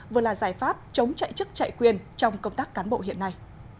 vừa là giải pháp chống chạy chức chạy quyền trong công tác cán bộ hiện nay